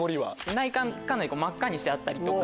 内観かなり真っ赤にしてあったりとか。